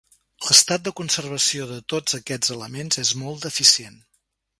L'estat de conservació de tots aquests elements és molt deficient.